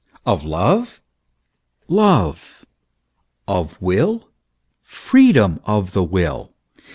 Of love ? Love. Of will ? Freedom of the will.